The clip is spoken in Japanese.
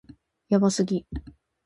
やばすぎ